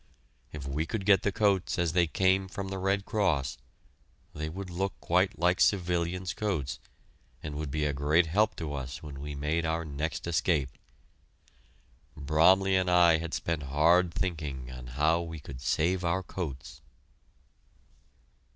If we could get the coats as they came from the Red Cross, they would look quite like civilian's coats, and be a great help to us when we made our next escape. Bromley and I had spent hard thinking on how we could save our coats.